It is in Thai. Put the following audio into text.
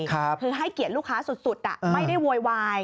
คือให้เกียรติลูกค้าสุดไม่ได้โวยวาย